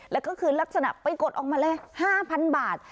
แล้วก็คือลักษณะไปกดออกมาเลย๕๐๐๐บาท